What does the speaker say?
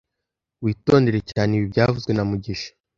Witondere cyane ibi byavuzwe na mugisha